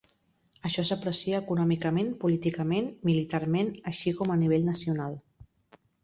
Això s'aprecia econòmicament, políticament, militarment, així com a nivell nacional.